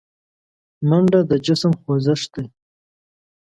منډه د جسم خوځښت دی